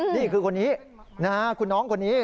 นี่คือคนนี้นะฮะคุณน้องคนนี้